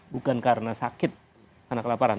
bukan karena sakit karena kelaparan